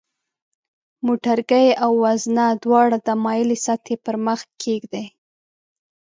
موټرګی او وزنه دواړه د مایلې سطحې پر مخ کیږدئ.